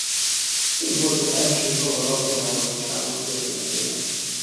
Ő volt az első kabala a világbajnokságok történetében.